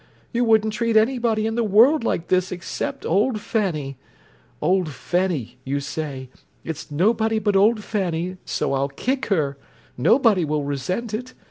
You wouldn't treat anybody in the world like this except old Fanny! 'Old Fanny' you say. 'It's nobody but old Fanny, so I'll kick her—nobody will resent it.